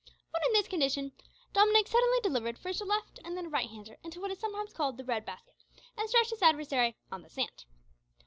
When in this condition, Dominick suddenly delivered first a left and then a right hander into what is sometimes called the breadbasket, and stretched his adversary on the sand.